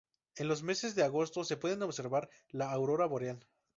En los meses de agosto se puede observar la aurora boreal.